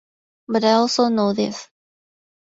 But I also know this.